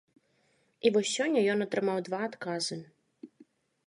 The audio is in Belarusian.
І вось сёння ён атрымаў два адказы.